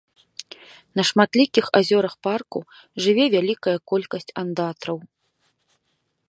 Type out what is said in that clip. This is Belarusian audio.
На шматлікіх азёрах парку жыве вялікая колькасць андатраў.